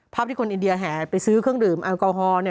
ที่คนอินเดียแห่ไปซื้อเครื่องดื่มแอลกอฮอล์